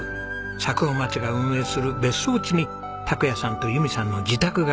佐久穂町が運営する別荘地に拓也さんと友美さんの自宅があります。